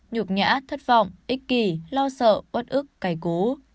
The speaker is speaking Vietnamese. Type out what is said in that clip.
nhục nhã thất vọng ích kỳ lo sợ ớt ức cày cú